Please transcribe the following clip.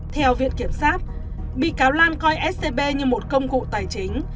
theo viện kiểm sát bị cáo lan coi scb như một công cụ tài chính